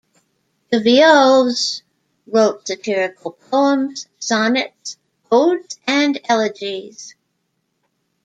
De Viau's wrote satirical poems, sonnets, odes and elegies.